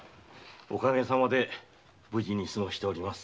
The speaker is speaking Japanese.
おかげさまで無事に過ごしております。